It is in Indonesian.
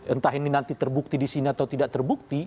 entah ini nanti terbukti di sini atau tidak terbukti